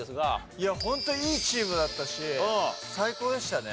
いやホントにいいチームだったし最高でしたね。